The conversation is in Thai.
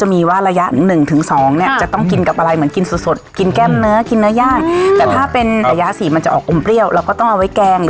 ให้พี่อาร์มเปิดพี่อาร์มเปิดเลยครับมาชิมกิมจิตัวนี้ก่อนนะครับ